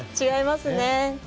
違いますね。